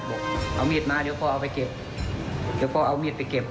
บอกเอามีดมาเดี๋ยวพ่อเอาไปเก็บเดี๋ยวพ่อเอามีดไปเก็บ